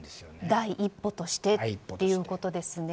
第一歩としてということですね。